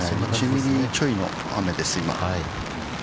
１ミリちょいの雨です、今。